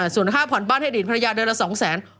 ส่วนค่าผ่อนบ้านให้อดีตภรรยาเดือนละ๒แสน